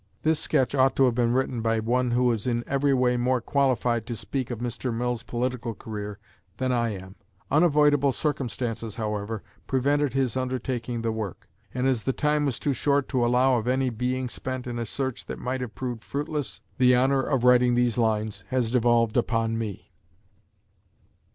This sketch ought to have been written by one who is in every way more qualified to speak of Mr. Mill's political career than I am. Unavoidable circumstances, however, prevented his undertaking the work; and as the time was too short to allow of any being spent in a search that might have proved fruitless, the honor of writing these lines has devolved upon me.